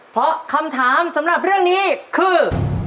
เพราะคำถามสำหรับเรื่องนี้คือ